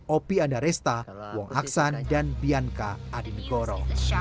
opi andarestah wong aksan dan bianca adingoro